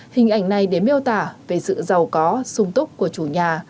hình ảnh này để miêu tả về sự giàu có sung túc của chủ nhà